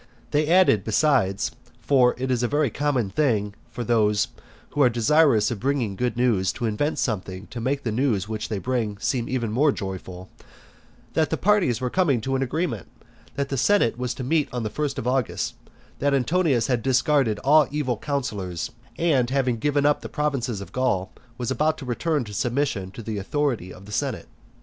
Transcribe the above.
They added besides, (for it is a very common thing for those who are desirous of bringing good news to invent something to make the news which they bring seem more joyful,) that parties were coming to an agreement; that the senate was to meet on the first of August; that Antonius having discarded all evil counsellors, and having given up the provinces of Gaul, was about to return to submission to the authority of the senate.